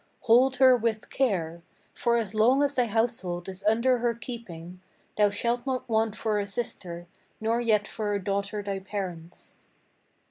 Hold her with care; for as long as thy household is under her keeping, Thou shalt not want for a sister, nor yet for a daughter thy parents."